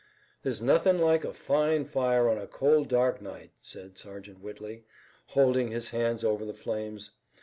"There's nothing like a fine fire on a cold, dark night," said Sergeant Whitley, holding his hands over the flames.